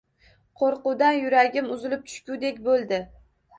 Qo‘rquvdan yuragim uzilib tushgudek bo‘ldi